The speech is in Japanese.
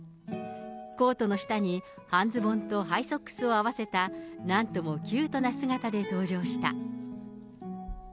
コートの下に半ズボンとハイソックスを合わせたなんともキュートな姿で登場した。